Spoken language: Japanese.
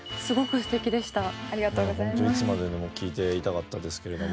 ホントいつまででも聴いていたかったですけれども。